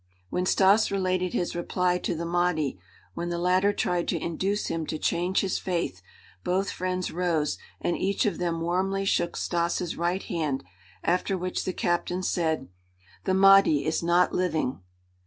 When Stas related his reply to the Mahdi, when the latter tried to induce him to change his faith, both friends rose and each of them warmly shook Stas' right hand, after which the captain said: "The Mahdi is not living!"